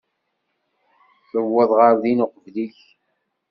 Tuweḍ ɣer din uqbel-ik.